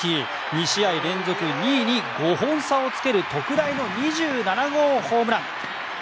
２試合連続２位に５本差をつける特大の２７号ホームラン。